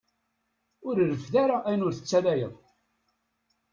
Ur reffed ara ayen ur tettayaleḍ.